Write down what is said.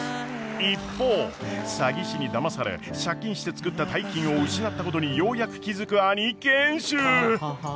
一方詐欺師にだまされ借金して作った大金を失ったことにようやく気付く兄賢秀。